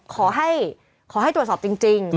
ขอให้ตรวจสอบจริง